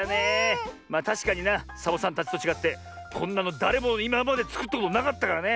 まあたしかになサボさんたちとちがってこんなのだれもいままでつくったことなかったからね。